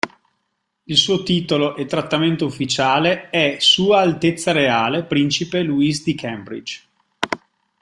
Il suo titolo e trattamento ufficiale è "sua altezza reale" principe Louis di Cambridge.